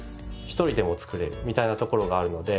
一人でも作れるみたいなところがあるので。